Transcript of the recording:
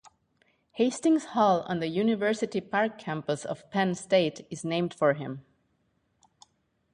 Hastings Hall on the University Park campus of Penn State is named for him.